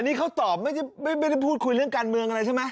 นี่เขาตอบไม่ได้พูดคุยเรื่องการเมืองอะไรใช่ไหม